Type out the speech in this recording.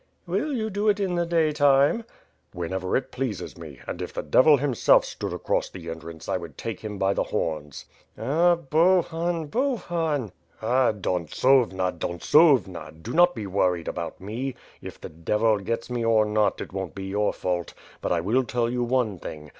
"Will you do it in the daytime?" "Whenever it pleases me; and if the Devil himself stood across the entrance, I would take him by the horns." "Ah, Bohun; Bohun!" "Ah, Dontsovna, Dontsovna! Do not be worried about me. If the Devil gets me or not, it won^t be your fault; but I will tell you one thing.